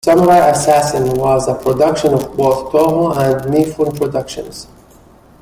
"Samurai Assassin" was a production of both Toho and Mifune Productions.